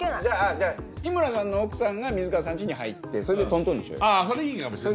じゃあ日村さんの奥さんが水川さん家に入ってそれでトントンにしようよ。